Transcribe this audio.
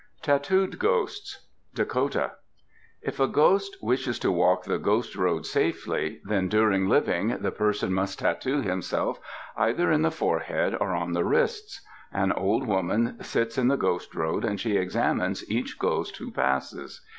TATTOOED GHOSTS Dakota If a ghost wishes to walk the Ghost Road safely, then during living the person must tattoo himself either in the forehead or on the wrists. An old woman sits in the Ghost Road and she examines each ghost who passes.